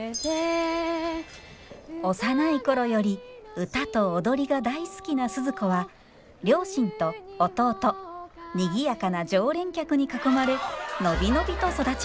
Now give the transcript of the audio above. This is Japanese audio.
幼い頃より歌と踊りが大好きな鈴子は両親と弟にぎやかな常連客に囲まれ伸び伸びと育ちました。